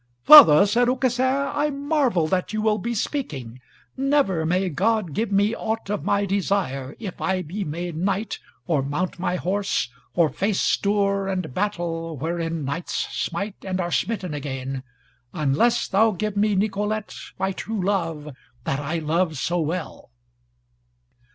"Father," said Aucassin, "I marvel that you will be speaking. Never may God give me aught of my desire if I be made knight, or mount my horse, or face stour and battle wherein knights smite and are smitten again, unless thou give me Nicolete, my true love, that I love so well."